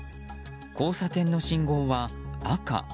交差点の信号は赤。